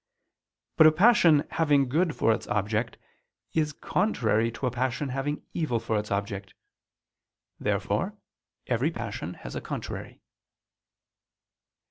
But a passion having good for its object, is contrary to a passion having evil for its object. Therefore every passion has a contrary.